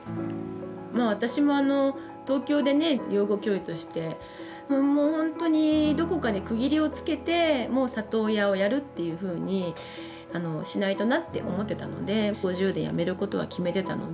もう私も東京でね養護教諭としてもうほんとにどこかで区切りをつけてもう里親をやるっていうふうにしないとなって思ってたので５０で辞めることは決めてたので。